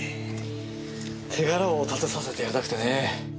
手柄を立てさせてやりたくてね。